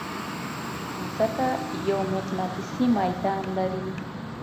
مځکه یو مقناطیسي ميدان لري.